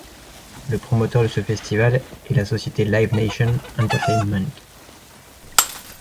Le promoteur de ce festival est la société Live Nation Entertainment.